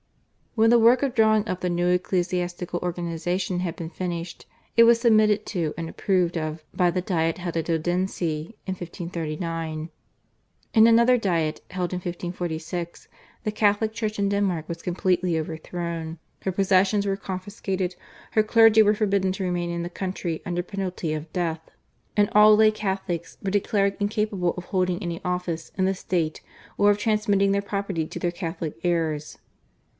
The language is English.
When the work of drawing up the new ecclesiastical organisation had been finished it was submitted to and approved of by the Diet held at Odensee in 1539. In another Diet held in 1546 the Catholic Church in Denmark was completely overthrown, her possessions were confiscated, her clergy were forbidden to remain in the country under penalty of death, and all lay Catholics were declared incapable of holding any office in the state or of transmitting their property to their Catholic heirs.